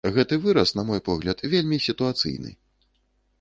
Гэты выраз, на мой погляд, вельмі сітуацыйны.